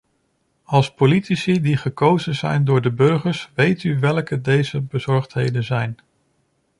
Als politici die gekozen zijn door de burgers weet u welke deze bezorgdheden zijn.